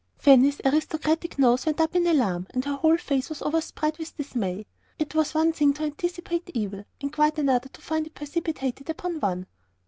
Fanny's aristocratic nose went up in alarm, and her whole face was overspread with dismay. It was one thing to anticipate evil, and quite another to find it precipitated upon one.